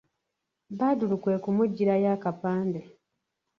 Badru kwe kumuggyirayo akapande.